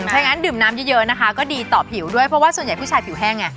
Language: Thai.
ถ้างั้นดื่มน้ำเยอะนะคะก็ดีต่อผิวด้วยเพราะว่าส่วนใหญ่ผู้ชายผิวแห้งไง